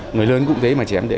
người lớn cũng thế mà trẻ em đệ